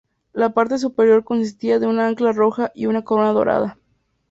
La parte superior consistía de un ancla roja y una corona dorada.